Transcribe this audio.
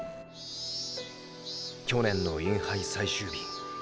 去年のインハイ最終日。